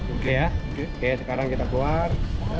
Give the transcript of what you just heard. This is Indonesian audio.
oke ya kayak sekarang kita keluar